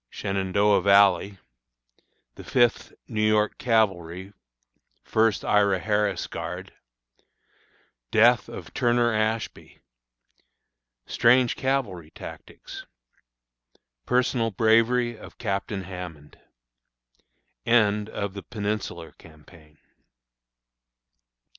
Shenandoah Valley. The Fifth New York Cavalry, First Ira Harris' Guard. Death of Turner Ashby. Strange Cavalry Tactics. Personal Bravery of Captain Hammond. End of the Peninsular Campaign.